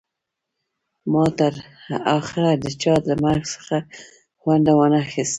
ما تر اخره د چا له مرګ څخه خوند ونه خیست